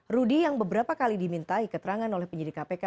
rudy yang beberapa kali dimintai keterangan oleh penyidik kpk